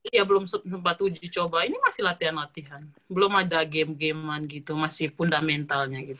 iya belum sempat uji coba ini masih latihan latihan belum ada game gamean gitu masih fundamentalnya gitu